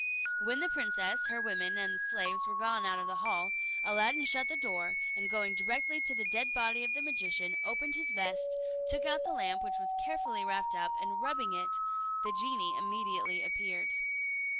When the princess, her women, and slaves were gone out of the hall, Aladdin shut the door, and going directly to the dead body of the magician, opened his vest, took out the lamp which was carefully wrapped up, and rubbing it, the genie immediately appeared.